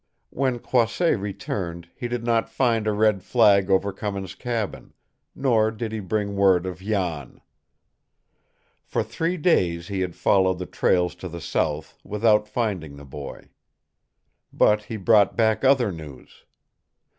When Croisset returned, he did not find a red flag over Cummins' cabin; nor did he bring word of Jan. For three days he had followed the trails to the south without finding the boy. But he brought back other news.